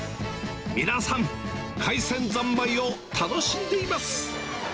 皆さん、海鮮ざんまいを楽しんでいます。